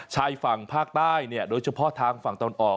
ชายฝั่งภาคใต้เนี่ยโดยเฉพาะทางฝั่งตะวันออก